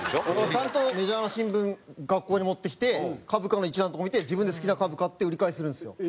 ちゃんとメジャーな新聞学校に持ってきて株価の一覧のとこ見て自分で好きな株買って売り買いするんですよ。